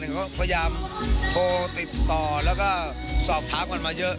เขาพยายามโทรติดต่อแล้วก็สอบถามกันมาเยอะ